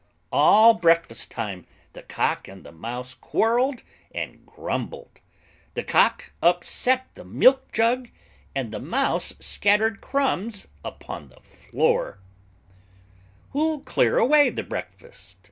All breakfast time the Cock and the Mouse quarrelled and grumbled. The Cock upset the milk jug, and the Mouse scattered crumbs upon the floor[.] "Who'll clear away the breakfast?"